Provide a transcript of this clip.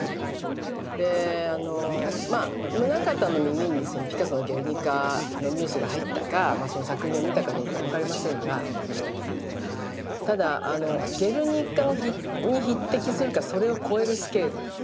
であのまあ棟方の耳にピカソの「ゲルニカ」のニュースが入ったかその作品を見たかどうか分かりませんがただあの「ゲルニカ」に匹敵するかそれを超えるスケール。